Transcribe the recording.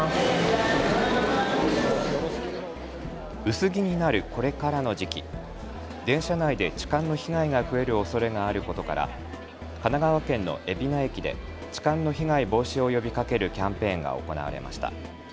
薄着になるこれからの時期、電車内で痴漢の被害が増えるおそれがあることから神奈川県の海老名駅で痴漢の被害防止を呼びかけるキャンペーンが行われました。